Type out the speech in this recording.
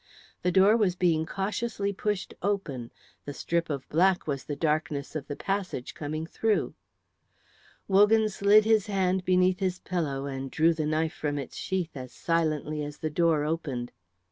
The door was being cautiously pushed open; the strip of black was the darkness of the passage coming through. Wogan slid his hand beneath his pillow, and drew the knife from its sheath as silently as the door opened.